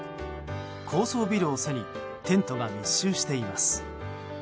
高層ビルを背にテントが密集しています。